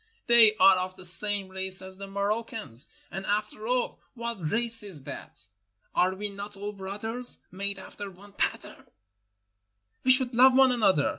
They are of the same race as the Moroccans, and after all, what race is that? Are we not all brothers, made after one pattern? We should love one another.